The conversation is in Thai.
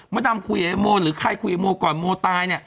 มดรรมคุยกับโมหรือใครคุยกับโมหรือก่อนโมตายเนี้ย